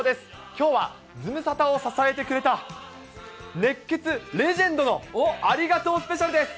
きょうはズムサタを支えてくれた、熱ケツレジェンドのありがとうスペシャルです。